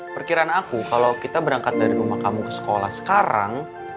perkiraan aku kalau kita berangkat dari rumah kamu ke sekolah sekarang